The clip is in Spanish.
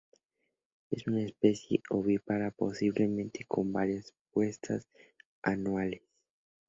Es una especie ovípara, posiblemente con varias puestas anuales.